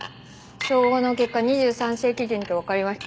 照合の結果２３世紀人とわかりました。